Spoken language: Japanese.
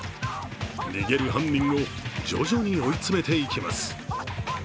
逃げる犯人を徐々に追い詰めていきます。